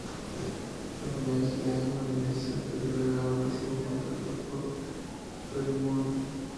A finales de año, Venezia fue liberado de su contrato por Toryumon.